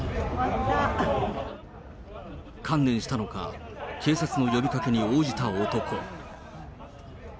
観念したのか、警察の呼びかけに応じた男。